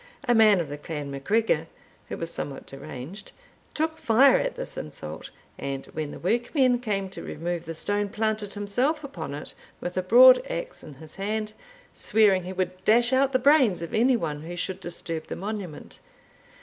A man of the clan MacGregor, who was somewhat deranged, took fire at this insult; and when the workmen came to remove the stone, planted himself upon it, with a broad axe in his hand, swearing he would dash out the brains of any one who should disturb the monument.